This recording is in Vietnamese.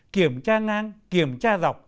kiểm tra ngang kiểm tra dọc